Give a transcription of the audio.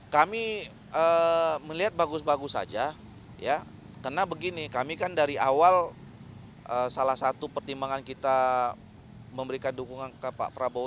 kami melihat bagus bagus saja ya karena begini kami kan dari awal salah satu pertimbangan kita memberikan dukungan ke pak prabowo